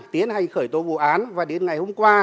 tiến hành khởi tố vụ án và đến ngày hôm qua